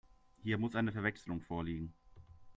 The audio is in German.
Hier muss eine Verwechslung vorliegen.